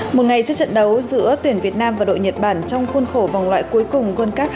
một ngày trước trận đấu giữa tuyển việt nam và đội nhật bản trong khuôn khổ vòng loại cuối cùng world cup hai nghìn hai mươi hai